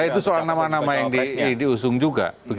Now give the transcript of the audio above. itu soal nama nama yang diusung juga